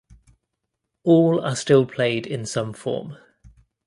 All are still played in some form.